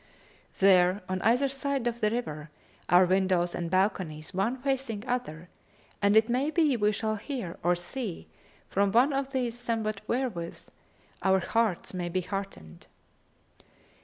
There, on either side of the river, are windows and balconies one facing other, and it may be we shall hear or see from one of these somewhat wherewith our hearts may be heartened."